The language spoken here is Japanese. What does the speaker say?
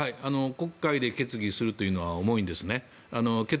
国会で決議するというのは重いんですね。